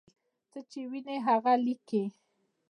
څه چې ویني هغه لیکي.